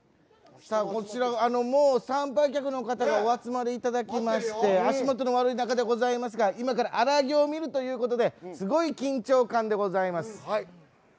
こちら、参拝客の方がお集まりいただきまして足元の悪い中ではございますが今から荒行を見るということですごい緊張感でございます。